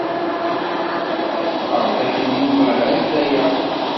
Tḥeqqeɣ dakken Yuba ha-t-aya.